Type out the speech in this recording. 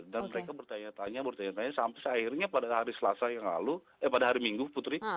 dan mereka bertanya tanya sampai akhirnya pada hari minggu putri